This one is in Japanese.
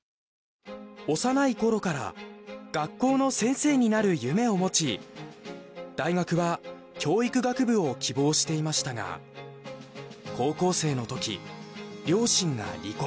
幼いころから学校の先生になる夢を持ち大学は教育学部を希望していましたが高校生のとき両親が離婚。